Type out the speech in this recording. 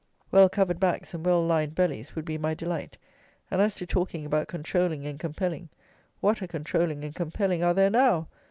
Well covered backs and well lined bellies would be my delight; and as to talking about controlling and compelling, what a controlling and compelling are there now!